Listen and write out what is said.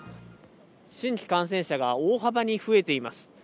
新規感染者が大幅に増えています。